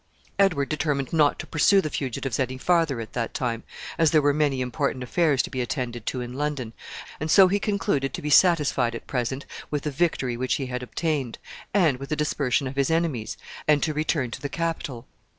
Edward determined not to pursue the fugitives any farther at that time, as there were many important affairs to be attended to in London, and so he concluded to be satisfied at present with the victory which he had obtained, and with the dispersion of his enemies, and to return to the capital.